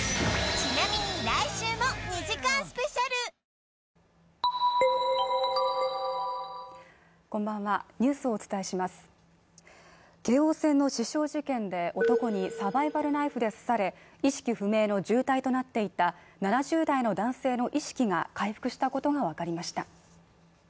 ちなみに京王線の刺傷事件で、男にサバイバルナイフで刺され、意識不明の重体となっていた７０代の男性の意識が回復したことが分かりました。